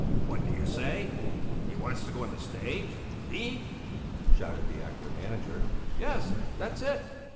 "What do you say? He wants to go on the stage? He!" shouted the actor manager. "Yes, that's it!"